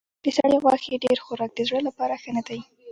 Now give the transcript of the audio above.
د سرې غوښې ډېر خوراک د زړه لپاره ښه نه دی.